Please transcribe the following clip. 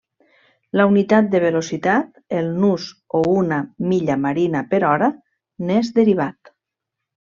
La unitat de velocitat, el nus o una milla marina per hora n'és derivat.